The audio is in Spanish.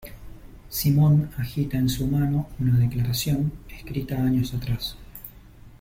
Simón agita en su mano una declaración, escrita años atrás.